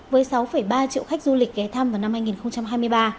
với sáu ba triệu khách du lịch ghé thăm vào năm hai nghìn hai mươi ba